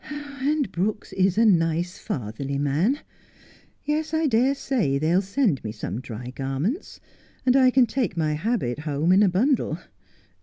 ' And Brooks is a nice fatherly man. Yes, I dare say they'll send me some dry garments, and I can take my habit home in a bundle.